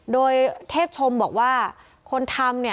โดยเทพชมบอกว่าคนทำเนี่ย